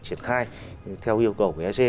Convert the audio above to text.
triển khai theo yêu cầu của ec